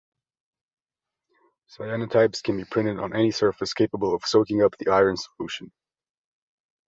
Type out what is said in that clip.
Cyanotypes can be printed on any surface capable of soaking up the iron solution.